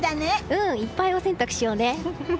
うん、いっぱいお洗濯しようね。